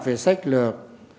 về sách lược